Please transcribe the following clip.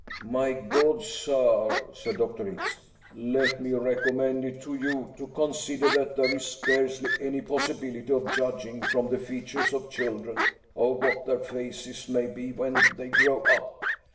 "My good sir," said Dr. X , "let me recommend it to you to consider that there is scarcely any possibility of judging, from the features of children, of what their faces may be when they grow up.